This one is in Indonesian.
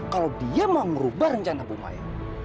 kalau dia mau ngerubah rencana pumaya